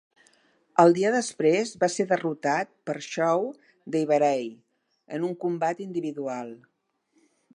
El dia després va ser derrotat per Shawn Daivari en un combat individual.